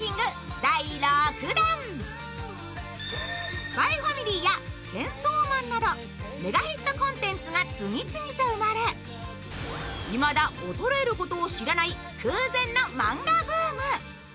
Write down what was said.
「ＳＰＹ×ＦＡＭＩＬＹ」や「チェンソーマン」などメガヒットコンテンツが次々と生まれ、いまだ衰えることを知らない空前のマンガブーム。